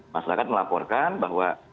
masyarakat melaporkan bahwa